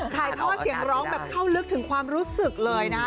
ถ่ายท่อเสียงร้องแบบเข้าลึกถึงความรู้สึกเลยนะ